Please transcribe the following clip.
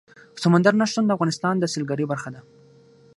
سمندر نه شتون د افغانستان د سیلګرۍ برخه ده.